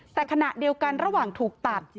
แต่ขณะเดียวกันระหว่างถูกตัด